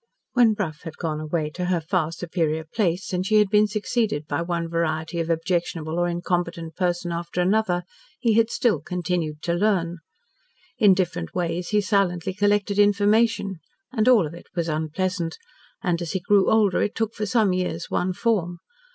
When Brough had gone away to her far superior place, and she had been succeeded by one variety of objectionable or incompetent person after another, he had still continued to learn. In different ways he silently collected information, and all of it was unpleasant, and, as he grew older, it took for some years one form.